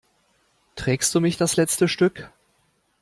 Trägst du mich das letzte Stück?